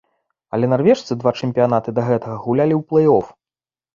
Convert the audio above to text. Але нарвежцы два чэмпіянаты да гэтага гулялі ў плэй-оф.